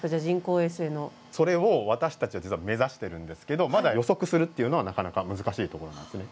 それを私たちは実は目指してるんですけどまだ予測するっていうのはなかなか難しいところなんですね。